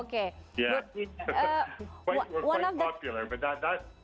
kita cukup populer tapi itu bagus